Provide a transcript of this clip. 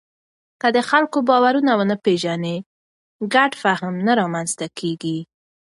که د خلکو باورونه ونه پېژنې، ګډ فهم نه رامنځته کېږي.